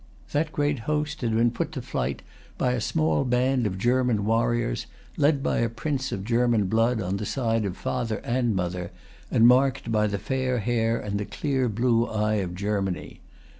That great host had been put to flight by a small band of German warriors, led by a prince of German blood on the side of father and mother, and marked by the fair hair and the[Pg 316] clear blue eye of Germany.